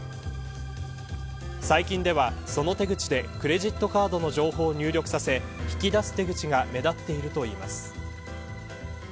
最近では、その手口でクレジットカードの情報を入力させ引き出す手口が目立っているといいます。